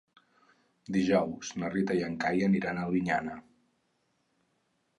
Dijous na Rita i en Cai aniran a Albinyana.